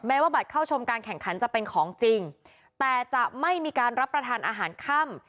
ว่าบัตรเข้าชมการแข่งขันจะเป็นของจริงแต่จะไม่มีการรับประทานอาหารค่ำ